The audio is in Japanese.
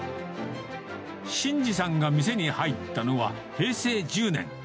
慎司さんが店に入ったのは、平成１０年。